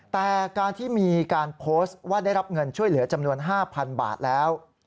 แต่การที่มีการโพสต์ว่าได้รับเงินช่วยเหลือจำนวน๕๐๐๐บาทแล้ว